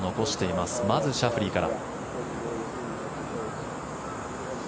まずシャフリーから。